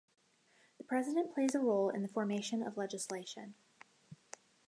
The president plays a role in the formation of legislation.